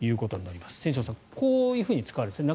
千正さん、こういうふうに使われるんですね。